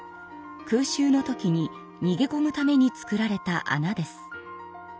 空襲の時ににげこむためにつくられたあなです。